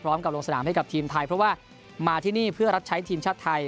ลงสนามให้กับทีมไทยเพราะว่ามาที่นี่เพื่อรับใช้ทีมชาติไทย